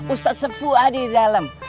ustadz sepua di dalam